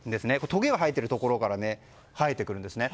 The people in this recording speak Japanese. とげが生えているところから生えてくるんですね。